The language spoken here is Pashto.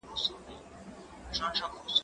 تکړښت د ښوونکي له خوا تنظيم کيږي؟